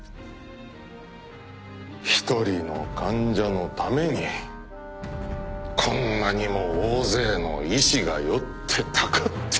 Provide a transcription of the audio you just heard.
１人の患者のためにこんなにも大勢の医師が寄ってたかって。